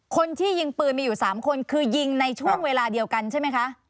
คนที่ยิงปืนมีอยู่๓คนคือยิงในช่วงเวลาเดียวกันใช่ไหมคะ